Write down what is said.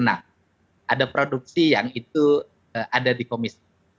nah ada produksi yang itu ada di komisi